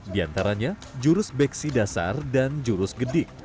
di antaranya jurus beksi dasar dan jurus gedik